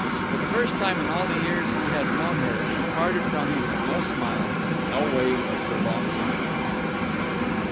For the first time in all the years he had known her she parted from him with no smile and no wave of her long arm.